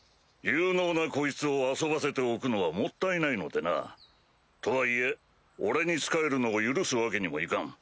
有能なこいつを遊ばせておくのはもったいないのでな。とはいえ俺に仕えるのを許すわけにもいかん。